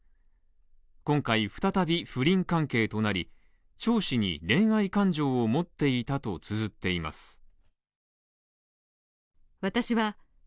今回再び不倫関係となり、張氏に恋愛感情を持っていたとつづっています。